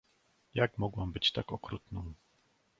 "jak mogłam być tak okrutną!"